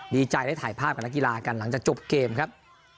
ดีใจได้ถ่ายภาพกับนักกีฬากันหลังจากจบเกมครับ